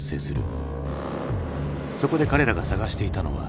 そこで彼らが探していたのは。